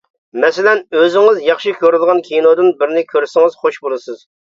مەسىلەن، ئۆزىڭىز ياخشى كۆرىدىغان كىنودىن بىرنى كۆرسىڭىز خوش بولىسىز.